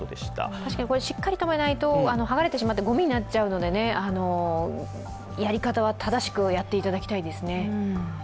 確かにしっかり止めないと剥がれてしまってごみになっちゃうのでやり方は正しくやっていただきたいですね。